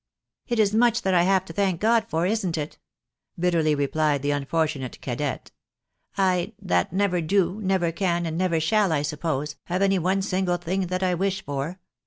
" It is much that I have to thank God for, isn't it ?" bitteh y rephed the unfortunate cadette —" I, that never do, never can, and never shall, I suppose, have any one single thing that I wish for